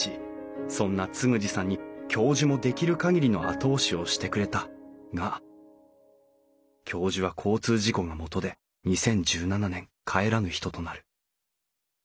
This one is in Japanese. そんな嗣二さんに教授もできる限りの後押しをしてくれたが教授は交通事故がもとで２０１７年帰らぬ人となる。